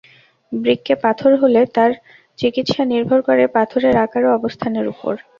বৃক্কে পাথর হলে তার চিকিৎসা নির্ভর করে পাথরের আকার ও অবস্থানের উপর।